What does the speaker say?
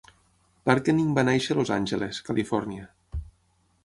Parkening va néixer a Los Angeles, Califòrnia.